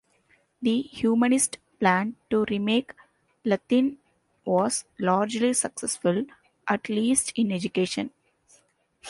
The humanist plan to remake Latin was largely successful, at least in education.